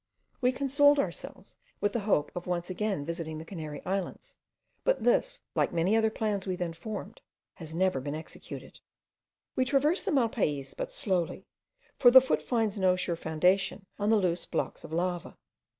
We consoled ourselves with the hope of once again visiting the Canary Islands, but this, like many other plans we then formed, has never been executed. We traversed the Malpays but slowly; for the foot finds no sure foundation on the loose blocks of lava.